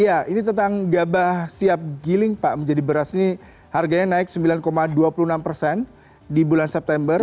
iya ini tentang gabah siap giling pak menjadi beras ini harganya naik sembilan dua puluh enam persen di bulan september